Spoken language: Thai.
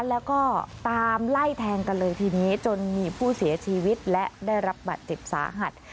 แล้วก็ตามไล่แทงกันเลยทีนี้จนมีผู้เสียชีวิตและได้รับบัตรเจ็บสาหัส